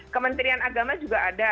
kementerian agama juga ada